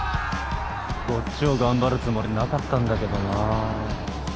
こっちを頑張るつもりなかったんだけどな。